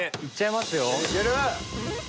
行っちゃいますよ。